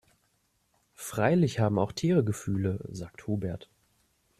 Freilich haben auch Tiere Gefühle, sagt Hubert.